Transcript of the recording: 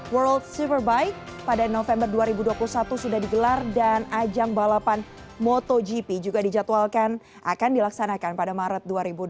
world superbike pada november dua ribu dua puluh satu sudah digelar dan ajang balapan motogp juga dijadwalkan akan dilaksanakan pada maret dua ribu dua puluh